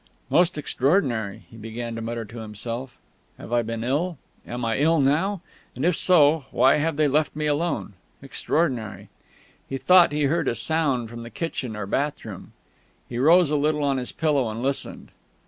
"Most extraordinary!" he began to mutter to himself. "Have I been ill? Am I ill now? And if so, why have they left me alone?... Extraordinary!..." He thought he heard a sound from the kitchen or bathroom. He rose a little on his pillow, and listened....